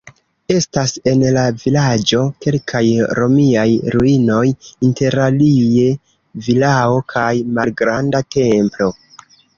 Estas en la vilaĝo kelkaj romiaj ruinoj, interalie vilao kaj malgranda templo.